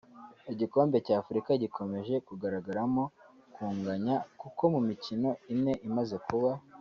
Igikombe cya Afurika gikomeje kugaragaramo kunganya kuko mu mikino ine imaze kuba